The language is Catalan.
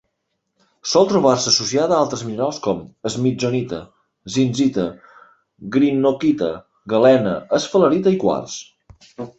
Sol trobar-se associada a altres minerals com: smithsonita, zincita, greenockita, galena, esfalerita i quars.